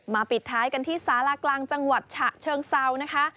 ปิดท้ายกันที่สารากลางจังหวัดฉะเชิงเซานะคะ